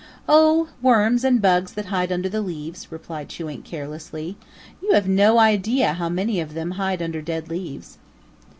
"Oh, worms and bugs that hide under the leaves," replied Chewink carelessly. "You have no idea how many of them hide under dead leaves."